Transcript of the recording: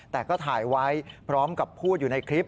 แต่ก็ถ่ายไว้พร้อมกับพูดอยู่ในคลิป